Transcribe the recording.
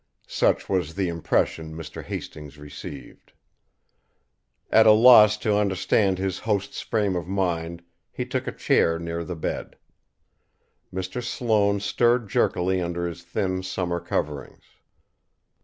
Such was the impression Mr. Hastings received. At a loss to understand his host's frame of mind, he took a chair near the bed. Mr. Sloane stirred jerkily under his thin summer coverings.